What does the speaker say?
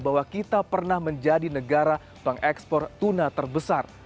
bahwa kita pernah menjadi negara pengekspor tuna terbesar